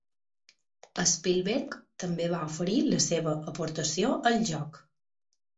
Spielberg també va oferir la seva aportació al joc.